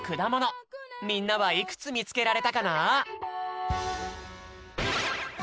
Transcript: みんなはいくつみつけられたかな？